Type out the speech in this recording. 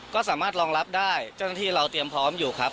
ก็สามารถรองรับได้เจ้าหน้าที่เราเตรียมพร้อมอยู่ครับ